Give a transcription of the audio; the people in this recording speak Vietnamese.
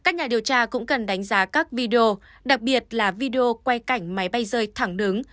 các nhà điều tra cũng cần đánh giá các video đặc biệt là video quay cảnh máy bay rơi thẳng đứng